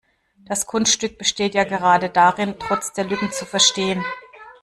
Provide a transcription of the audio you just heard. Das Kunststück besteht ja gerade darin, trotz der Lücken zu verstehen.